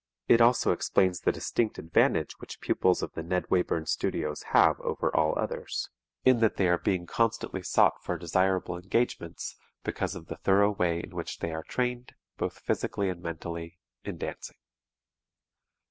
It also explains the distinct advantage which pupils of the Ned Wayburn Studios have over all others, in that they are being constantly sought for desirable engagements because of the thorough way in which they are trained, both physically and mentally, in dancing.